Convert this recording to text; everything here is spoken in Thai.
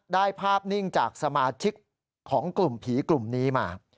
ภาพนิ่งจากสมาชิกของกลุ่มผีกลุ่มนี้มา